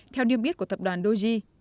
theo niêm yết của tập đoàn doji